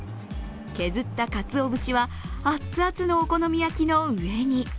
削ったかつお節は熱々のお好み焼きの上に。